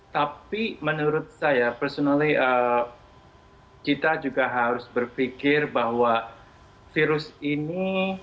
tapi menurut saya personally kita juga harus berpikir bahwa virus ini